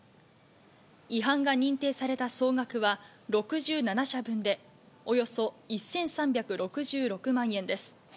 違反が認定された総額は６７社分で、およそ１３６６万円です。